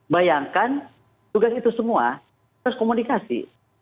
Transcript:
bayangkan tugas itu semua harus komunikasi